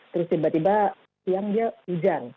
terus tiba tiba siang dia hujan